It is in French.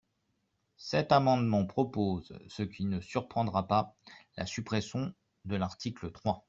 Cet amendement propose, ce qui ne surprendra pas, la suppression de l’article trois.